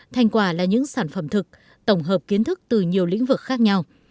thành quả là những sản phẩm thực tổng hợp kiến thức từ nhiều lĩnh vực khác nhau